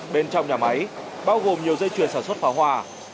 bên trong nhà máy bao gồm nhiều dây chuyền sản xuất pháo hoa